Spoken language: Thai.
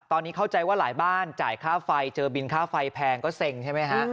ตอนนี้เข้าใจว่าหลายบ้านจ่ายค่าไฟเจอบินค่าไฟแพงก็เซ็งใช่ไหมฮะ